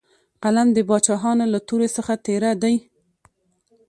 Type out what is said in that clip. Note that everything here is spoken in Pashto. قلم د باچاهانو له تورې څخه تېره دی.